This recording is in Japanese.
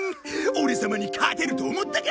オレ様に勝てると思ったか！